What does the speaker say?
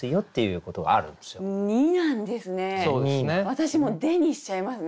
私も「で」にしちゃいますね